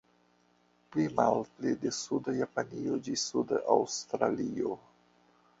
Pli-malpli de suda Japanio ĝis suda Aŭstralio.